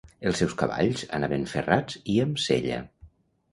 Els seus cavalls anaven ferrats i amb sella.